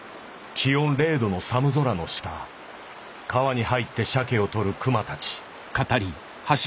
気温０度の寒空の下川に入って鮭を捕る熊たち。